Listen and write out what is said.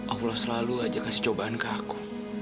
allah selalu aja kasih cobaan ke aku